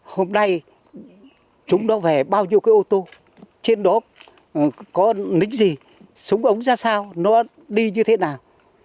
hôm nay chúng nó về bao nhiêu cái ô tô trên đó có nính gì súng ống ra sao nó đi như thế nào